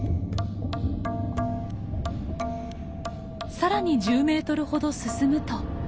更に１０メートルほど進むと。